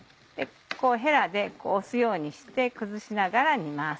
ヘラで押すようにして崩しながら煮ます。